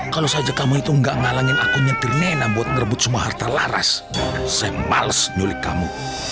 kalau saja kamu itu gak ngalangin aku nyetir nena buat ngerebut semua harta laras saya males nulik kamu